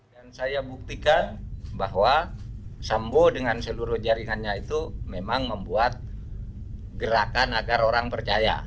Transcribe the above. dan saya buktikan bahwa sambo dengan seluruh jaringannya itu memang membuat gerakan agar orang percaya